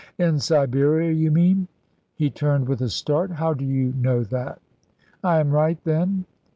"In Siberia, you mean." He turned with a start. "How do you know that?" "I am right, then?"